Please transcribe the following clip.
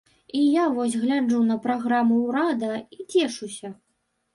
І я вось гляджу на праграму ўрада і цешуся.